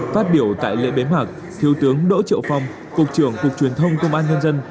phát biểu tại lễ bế mạc thiếu tướng đỗ triệu phong cục trưởng cục truyền thông công an nhân dân